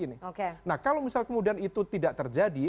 nah kalau misal kemudian itu tidak terjadi